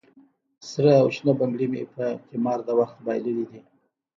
سره او شنه بنګړي مې په قمار د وخت بایللې دي